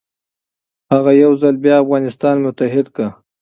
هغه یو ځل بیا افغانستان متحد کړ.